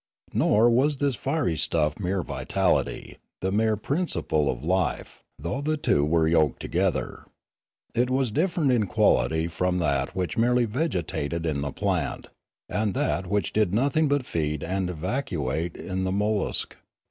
Nor was this fiery stuff mere vitality, the mere principle of life, though the two were yoked together. It was different in quality from that which merely vegetated in the plant, and that which did nothing but feed and evacuate in the mol lusc.